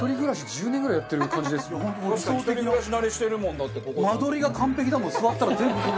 １人暮らし慣れしてるもんだって。